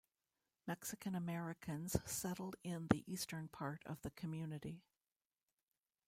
Mexican-Americans settled in the eastern part of the community.